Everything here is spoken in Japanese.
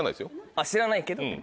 あっ知らないけど。